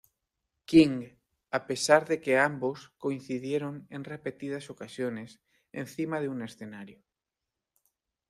King, a pesar de que ambos coincidieron en repetidas ocasiones encima de un escenario.